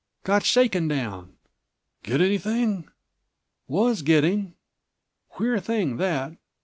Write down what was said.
"Got shaken down." "Get anything?" "Was getting. Queer thing that!